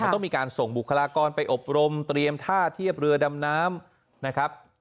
ต้องมีการส่งบุคลากรไปอบรมเตรียมท่าเทียบเรือดำน้ำนะครับ